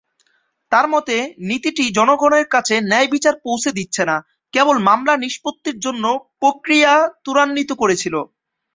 তাঁর মতে, নীতিটি জনগণের কাছে ন্যায়বিচার পৌঁছে দিচ্ছে না, কেবল মামলা নিষ্পত্তির জন্য প্রক্রিয়া ত্বরান্বিত করেছিল।